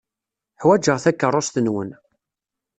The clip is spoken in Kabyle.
Ḥwajeɣ takeṛṛust-nwen.